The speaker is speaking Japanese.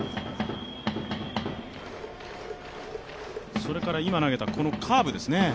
それから今投げたカーブですね。